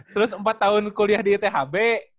terus empat tahun kuliah di ithb